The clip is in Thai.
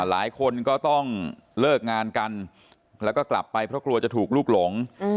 หลายคนก็ต้องเลิกงานกันแล้วก็กลับไปเพราะกลัวจะถูกลูกหลง